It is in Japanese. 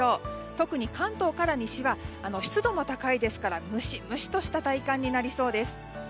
特に関東から西は湿度も高いですからムシッとした体感になりそうです。